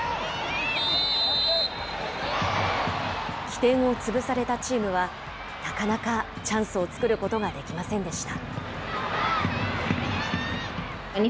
起点を潰されたチームは、なかなかチャンスを作ることができませんでした。